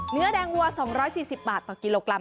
เนื้อแดงวัว๒๔๐บาทต่อกิโลกรัม